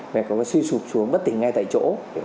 mẹ có suy sụp xuống bất tình ngay tại chỗ